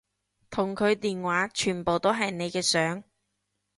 同佢電話全部都係你嘅相